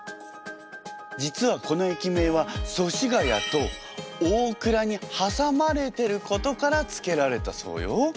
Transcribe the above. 実はこの駅名は祖師谷と大蔵に挟まれてることから付けられたそうよ。